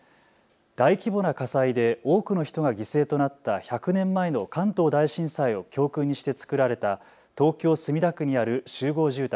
大規模な火災で多くの人が犠牲となった１００年前の関東大震災を教訓にして作られた東京墨田区にある集合住宅。